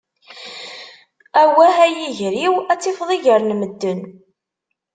Awah a yiger-iw, ad tifeḍ iger n medden!